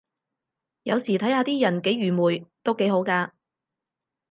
有時睇下啲人幾愚昧都幾好咖